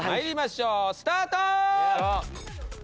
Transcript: スタート！